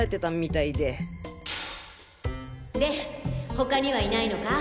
他にはいないのか？